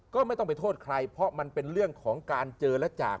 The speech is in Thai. ก็ไม่ต้องไปโทษใครเพราะมันเป็นเรื่องของการเจอและจาก